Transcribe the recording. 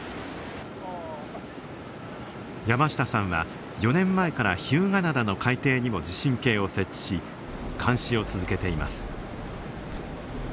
山下さんは４年前から日向灘の海底にも地震計を設置し監視を続けています。